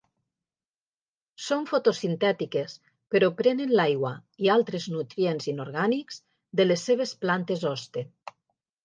Són fotosintètiques però prenen l'aigua i altres nutrients inorgànics de les seves plantes hoste.